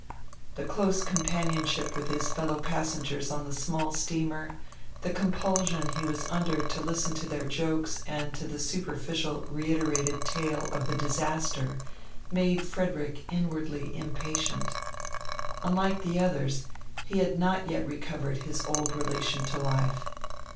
The close companionship with his fellow passengers on the small steamer, the compulsion he was under to listen to their jokes and to the superficial, reiterated tale of the disaster made Frederick inwardly impatient. Unlike the others, he had not yet recovered his old relation to life.